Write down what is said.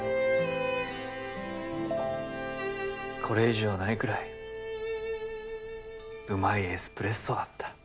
これ以上ないくらいうまいエスプレッソだった。